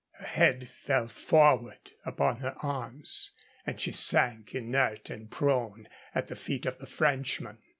Her head fell forward upon her arms and she sank inert and prone at the feet of the Frenchman.